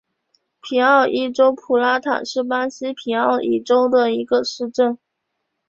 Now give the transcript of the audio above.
皮奥伊州普拉塔是巴西皮奥伊州的一个市镇。